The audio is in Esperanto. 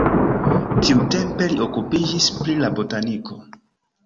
Tiutempe li okupiĝis pri la botaniko.